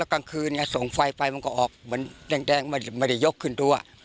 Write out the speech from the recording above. กลางคืนไงส่งไฟไฟมันก็ออกเหมือนแดงไม่ได้ยกขึ้นดู